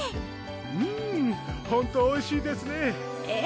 ・うんほんとおいしいですねええ